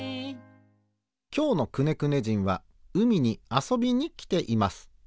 きょうのくねくね人はうみにあそびにきています。